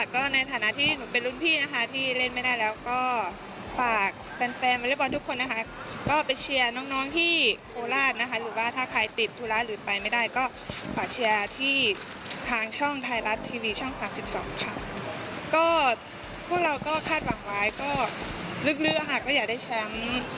ขนมันจะเป็นยังไงแต่พวกเราก็จะมาซ้อมละเอียดกับการแข่งขัน